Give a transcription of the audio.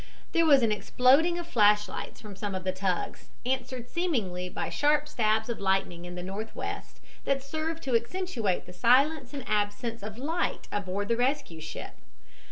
There was an exploding of flashlights from some of the tugs, answered seemingly by sharp stabs of lightning in the northwest that served to accentuate the silence and absence of light aboard the rescue ship.